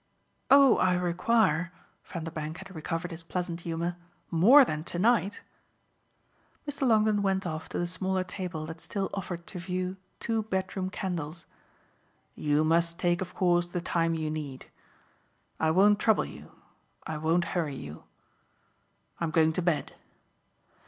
"Oh I require" Vanderbank had recovered his pleasant humour "more than to night!" Mr. Longdon went off to the smaller table that still offered to view two bedroom candles. "You must take of course the time you need. I won't trouble you I won't hurry you. I'm going to bed."